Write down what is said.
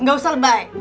gak usah lebay